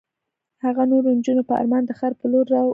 هغه نورو نجونو په ارمان د ښار په لور را وکتل.